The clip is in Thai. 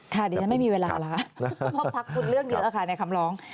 เดี๋ยวฉันไม่มีเวลาแล้วค่ะพอพักคุณเรื่องเดี๋ยวแล้วค่ะในคำร้อง